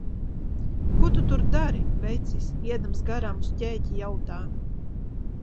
"Ko tu tur dari?" vecis, iedams garām uz ķēķi jautā.